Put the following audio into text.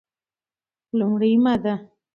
لومړې ماده: